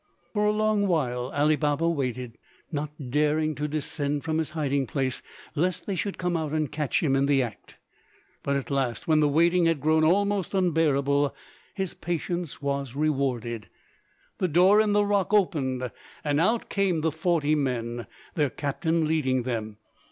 For a long while Ali Baba waited, not daring to descend from his hiding place lest they should come out and catch him in the act; but at last, when the waiting had grown almost unbearable, his patience was rewarded, the door in the rock opened, and out came the forty men, their captain leading them.